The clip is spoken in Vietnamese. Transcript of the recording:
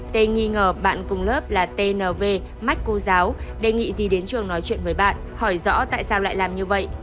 t nghi ngờ bạn cùng lớp là tnv mách cô giáo đề nghị gì đến trường nói chuyện với bạn hỏi rõ tại sao lại làm như vậy